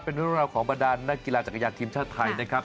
เป็นเรื่องราวของบรรดานนักกีฬาจักรยานทีมชาติไทยนะครับ